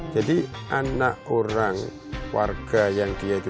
jadi anak orang warga yang dia itu